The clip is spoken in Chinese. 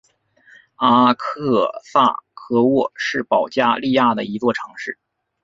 阿克萨科沃是保加利亚的一座城市。